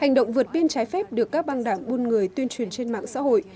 hành động vượt biên trái phép được các băng đảng buôn người tuyên truyền trên mạng xã hội